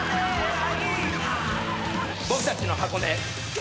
「僕たちの箱根へ」